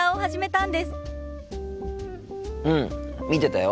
うん見てたよ。